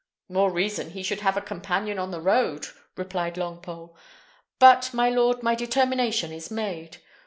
"More reason he should have a companion on the road," replied Longpole. "But, my lord, my determination is made.